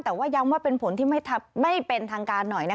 แต่ว่าย้ำว่าเป็นผลที่ไม่เป็นทางการหน่อย